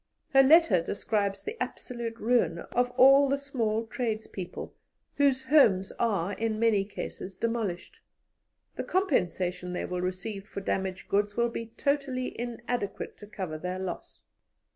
Her letter describes the absolute ruin of all the small tradespeople, whose homes are in many cases demolished. The compensation they will receive for damaged goods will be totally inadequate to cover their loss.